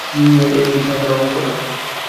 এ কি সাধারণ কথা!